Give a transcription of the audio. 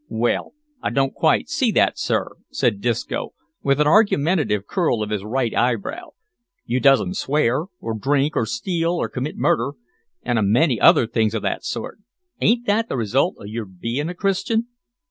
"Well, I don't quite see that, sir," said Disco, with an argumentative curl of his right eyebrow; "you doesn't swear, or drink, or steal, or commit murder, an' a many other things o' that sort. Ain't that the result o' your being a Christian."